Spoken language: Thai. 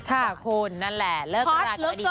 ค่ะคุณนั่นแหละเลิกกำลังอดีตทางดีไป